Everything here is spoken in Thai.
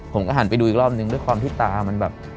ผมก็หันไปดูอีกรอบนึงด้วยความที่ตามันแบบ